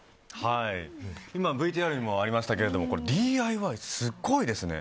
今、ＶＴＲにもありましたがＤＩＹ、すごいですね。